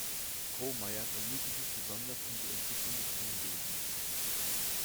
Kromayer bemühte sich besonders um die Entwicklung des Schulwesens.